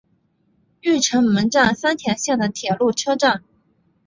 御成门站三田线的铁路车站。